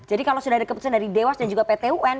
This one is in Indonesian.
jadi kalau sudah ada keputusan dari dewas dan juga pt un